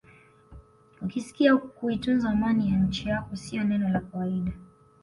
Ukisikia kuitunza amani ya nchi yako sio neno la kawaida